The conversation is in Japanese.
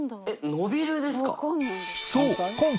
ノビルですか？